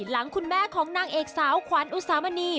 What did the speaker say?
หลังคุณแม่ของนางเอกสาวขวัญอุสามณี